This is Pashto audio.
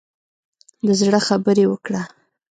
د زړه خبرې وکړه.